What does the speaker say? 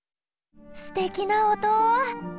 すてきな音。